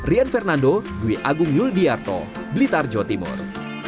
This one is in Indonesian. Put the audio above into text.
rian fernando dwi agung yuldiarto blitar jawa timur